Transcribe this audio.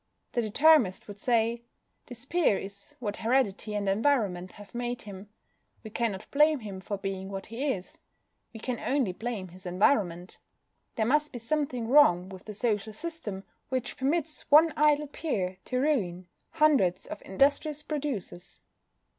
The Determinist would say: "This peer is what heredity and environment have made him. We cannot blame him for being what he is. We can only blame his environment. There must be something wrong with a social system which permits one idle peer to ruin hundreds of industrious producers.